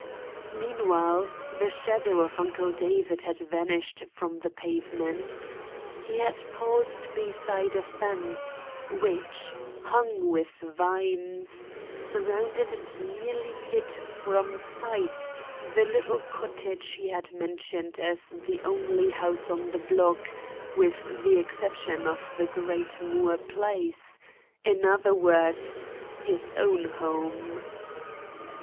Meanwhile, the shadow of Uncle David had vanished from the pavement. He had paused beside a fence which, hung with vines, surrounded and nearly hid from sight the little cottage he had mentioned as the only house on the block with the exception of the great Moore place; in other words, his own home.